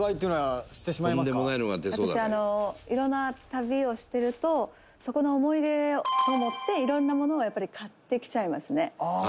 「私あの色んな旅をしてるとそこの思い出と思って色んなものをやっぱり買ってきちゃいますね」